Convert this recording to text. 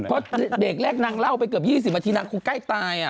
เพราะเด็กแรกนางเล่าไปเกือบ๒๐นาทีนางคงใกล้ตาย